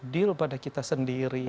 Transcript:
deal pada kita sendiri